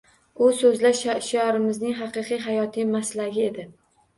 U so‘zlash shoirimizning haqiqiy hayotiy maslagi edi.